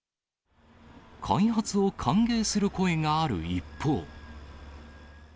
開発を歓迎する声がある一方。